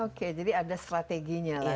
oke jadi ada strateginya lah